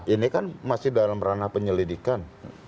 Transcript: ini kan masih dalam ranah penyelidikan